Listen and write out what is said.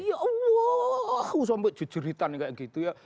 ya allah sampai jejuritan kayak gitu ya